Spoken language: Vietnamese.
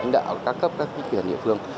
đã cấp các khuyến khuyến địa phương